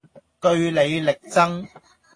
據理力爭